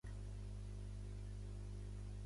Anna Sahun i Martí és una actriu nascuda a Barcelona.